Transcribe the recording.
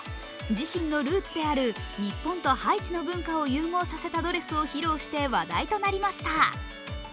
自身のルーツである日本とハイチの文化を融合させたドレスを披露して話題となりました。